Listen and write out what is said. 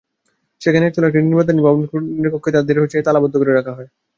সেখানে একতলার একটি নির্মাণাধীন ভবনের কক্ষে তাঁদের তালাবদ্ধ করে রাখা হয়।